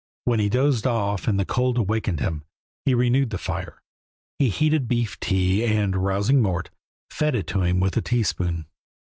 When he dozed off and the cold awakened him, he renewed the fire; he heated beef tea, and, rousing Mort, fed it to him with a teaspoon.